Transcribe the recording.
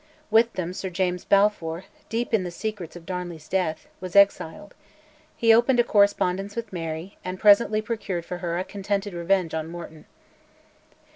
With them Sir James Balfour, deep in the secrets of Darnley's death, was exiled; he opened a correspondence with Mary, and presently procured for her "a contented revenge" on Morton.